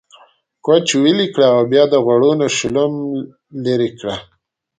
کوچ ويلي کړه او بيا د غوړو نه شلوم ليرې کړه۔